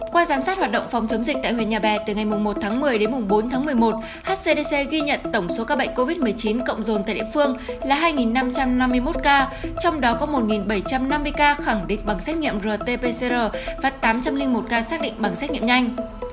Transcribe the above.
qua giám sát hoạt động phòng chống dịch tại huyện nhà bè từ ngày một tháng một mươi đến bốn tháng một mươi một hdc ghi nhận tổng số ca bệnh covid một mươi chín cộng dồn tại địa phương là hai năm trăm năm mươi một ca trong đó có một bảy trăm năm mươi ca khẳng định bằng xét nghiệm rt pcr và tám trăm linh một ca xác định bằng xét nghiệm nhanh